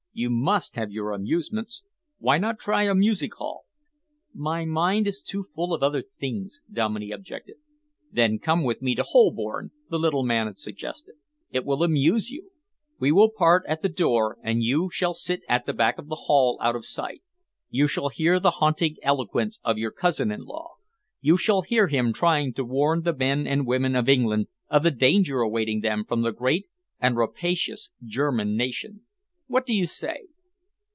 You must have your amusements. Why not try a music hall?" "My mind is too full of other things," Dominey objected. "Then come with me to Holborn," the little man suggested. "It will amuse you. We will part at the door, and you shall sit at the back of the hall, out of sight. You shall hear the haunting eloquence of your cousin in law. You shall hear him trying to warn the men and women of England of the danger awaiting them from the great and rapacious German nation. What do you say?"